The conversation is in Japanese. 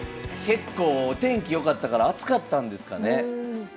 結構天気良かったから暑かったんですかね。